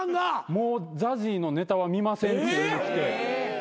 「もうＺＡＺＹのネタは見ません」っていうの来て。